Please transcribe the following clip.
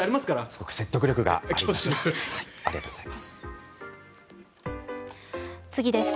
すごく説得力があります。